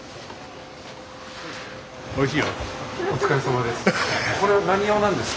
お疲れさまです。